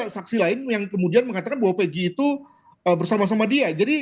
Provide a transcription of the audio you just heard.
saksi lain yang kemudian mengatakan bahwa pg itu bersama sama dia